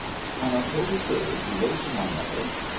On October 3d he wrote my mother